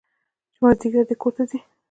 چې مازديګر چې دى کور ته ځي.